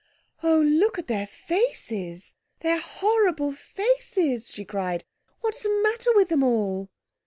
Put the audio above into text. "Oh, look at their faces, their horrible faces!" she cried. "What's the matter with them all?"